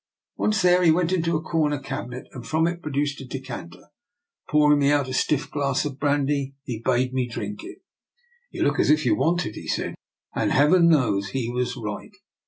Once there, he went to a comer cabinet, and from it pro duced a decanter. Pouring me out a stiff glass of brandy, he bade me drink it. " You look as if you want it," he said. And Heaven knows he was right.